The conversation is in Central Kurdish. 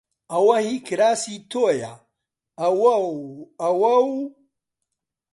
ئەوە هیی کراسی تۆیە! ئەوە و ئەوە و